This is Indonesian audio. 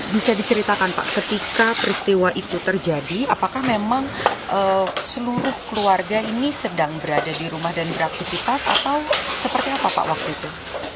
bisa diceritakan pak ketika peristiwa itu terjadi apakah memang seluruh keluarga ini sedang berada di rumah dan beraktivitas atau seperti apa pak waktu itu